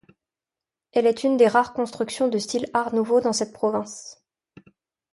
Elle est une des rares constructions de style Art nouveau dans cette province.